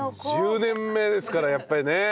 １０年目ですからやっぱりね。